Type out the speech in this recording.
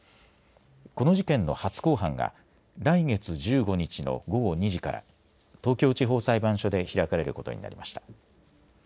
この事件の初公判が来月１５日の午後２時から東京地方裁判所で開かれることになりました。